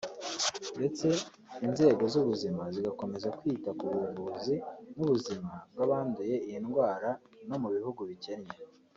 ndetse inzego z’ubuzima zigakomeza kwita ku buvuzi n’ubuzima bw’abanduye iyi ndwara no mu bihugu bikennye